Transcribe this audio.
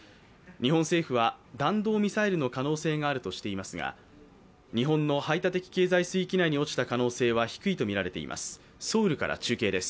日本政府は弾道ミサイルの可能性があるとしていますが、日本の排他的経済水域内に落ちた可能性は低いとみられています。